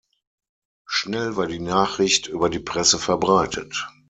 Schnell wird die Nachricht über die Presse verbreitet.